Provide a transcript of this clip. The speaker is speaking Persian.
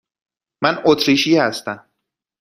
من اتریشی هستم.